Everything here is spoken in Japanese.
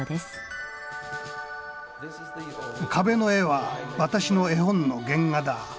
壁の絵は私の絵本の原画だ。